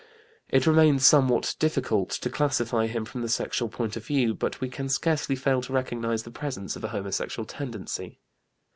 It remains somewhat difficult to classify him from the sexual point of view, but we can scarcely fail to recognize the presence of a homosexual tendency.